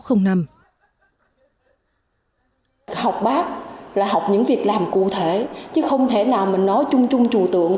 học bác là học những việc làm cụ thể chứ không thể nào mình nói chung chung trù tượng